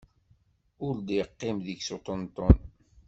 Ur d-iqqim deg-s uṭenṭun.